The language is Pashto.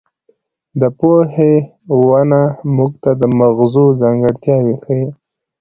د پوهې ونه موږ ته د مغزو ځانګړتیاوې ښيي.